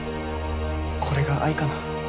これが愛かな？